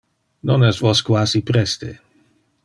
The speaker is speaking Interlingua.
Non es vos quasi preste?